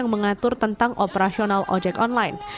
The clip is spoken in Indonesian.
mengatur tentang operasional ojek online